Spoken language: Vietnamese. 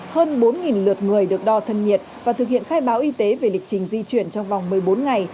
hơn bốn lượt người được đo thân nhiệt và thực hiện khai báo y tế về lịch trình di chuyển trong vòng một mươi bốn ngày